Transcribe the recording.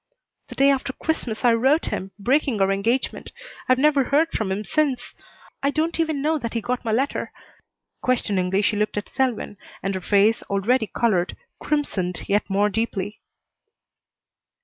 "The day after Christmas I wrote him, breaking our engagement. I've never heard from him since. I don't even know that he got my letter." Questioningly she looked at Selwyn, and her face, already colored, crimsoned yet more deeply.